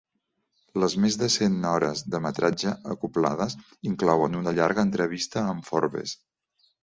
Les més de cent hores de metratge acoblades inclouen una llarga entrevista amb Forbes.